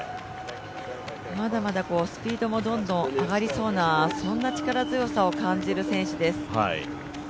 まだまだスピードもどんどん上がりそうな、そんな力強さを感じる選手です。